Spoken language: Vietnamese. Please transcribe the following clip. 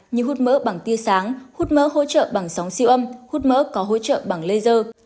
như hút mỡ bằng tia sáng hút mỡ hỗ trợ bằng sóng siêu âm hút mỡ có hỗ trợ bằng laser